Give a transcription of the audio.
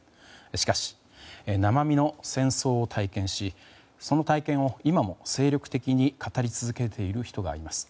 しかし、生身の戦争を体験しその体験を今も精力的に語り続けている人がいます。